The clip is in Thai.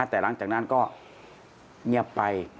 แต่หลังจากนั้นก็เงียบไป